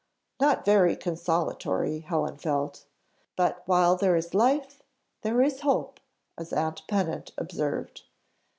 Not very consolatory, Helen felt. "But while there is life, there is hope," as aunt Pennant observed.